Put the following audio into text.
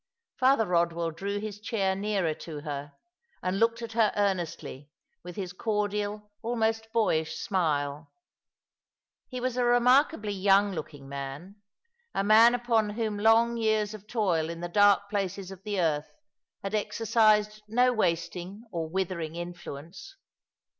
Father Eodwell drew his chair nearer to her, and looked at her earnestly with his cordial, almost boyish smile. He was a remarkably young looking man, a man upon whom *' So, Full Content shall he my Lot!^ 2S5 long years of toil in the dark places of the earth had exercised no wasting or withering influence.